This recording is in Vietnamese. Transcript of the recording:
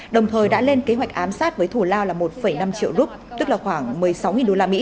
đồng thời đã lên kế hoạch ám sát với thù lao là một năm triệu rup tức là khoảng một mươi sáu usd